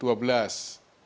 ketika tanggal dua belas